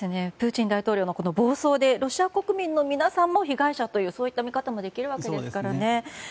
プーチン大統領のこの暴走でロシア国民の皆さんも被害者という見方もできるわけですからね。